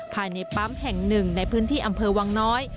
ภายในปั๊มแห่งหนึ่งในพื้นที่อำเภอวังน้อย